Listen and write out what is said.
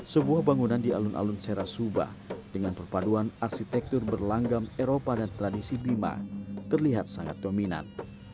sebuah bangunan di alun alun serasuba dengan perpaduan arsitektur berlanggam eropa dan tradisi bima terlihat sangat dominan